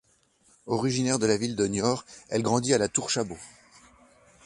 Originaire de la ville de Niort, elle grandit à la Tour-Chabot.